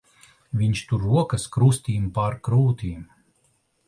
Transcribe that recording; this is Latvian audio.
Viņš tur rokas krustīm pār krūtīm.